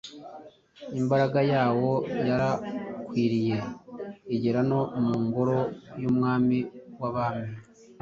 imbaraga yawo yarakwiriye igera no mu ngoro y’Umwami w’abami.